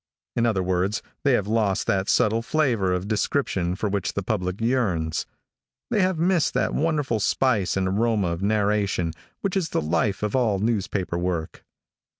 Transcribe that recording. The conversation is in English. In other words, they have lost that subtle flavor of description for which the public yearns. They have missed that wonderful spice and aroma of narration which is the life of all newspaper work.